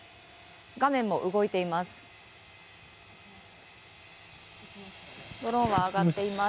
画面も動いています。